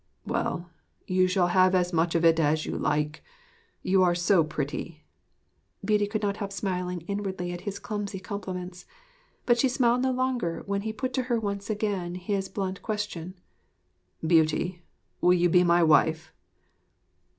'Well, you shall have as much of it as you like. You are so pretty.' Beauty could not help smiling inwardly at his clumsy compliments. But she smiled no longer when he put to her once again his blunt question: 'Beauty, will you be my wife?'